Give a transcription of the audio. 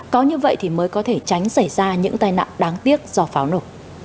có như vậy thì mới có thể tránh xảy ra những tai nạn đáng tiếc do pháo nổ